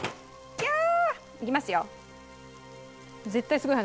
キャー！